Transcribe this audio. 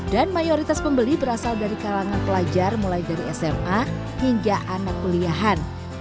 dan mayoritas pembeli berasal dari kalangan pelajar mulai dari sma hingga anak kuliahan